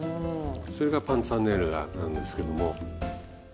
それがパンツァネッラなんですけども。